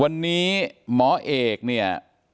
วันนี้หมอเอกเนี่ย